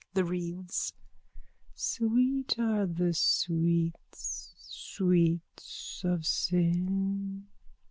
_ THE WREATHS: Sweet are the sweets. Sweets of sin.